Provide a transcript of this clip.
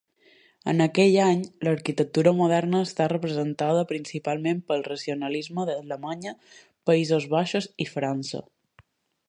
En aquell any l'arquitectura moderna està representada principalment pel racionalisme d'Alemanya, Països Baixos i França.